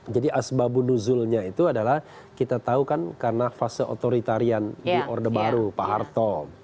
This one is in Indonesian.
jadi asbabunuzulnya itu adalah kita tahu kan karena fase otoritarian di orde baru pak harto